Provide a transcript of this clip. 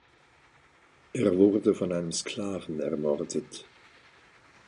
Er wurde von einem Sklaven ermordet.